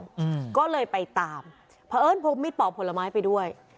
อืมก็เลยไปตามเพราะเอิ้นพกมิดปอกผลไม้ไปด้วย